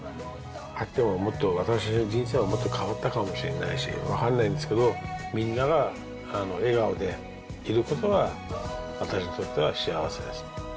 あってももっと、私の人生、もっと変わったかもしれないし、分かんないんですけど、みんなが笑顔でいることが、私にとっては幸せです。